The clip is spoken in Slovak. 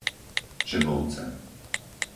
Čebovce